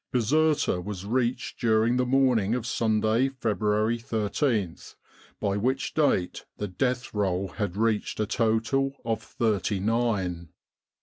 " Bizerta was reached during the morning of Sunday, February I3th, by which date the death roll had reached a total of thirty nine.